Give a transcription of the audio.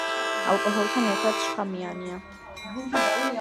ალკოჰოლთან ერთად შხამიანია.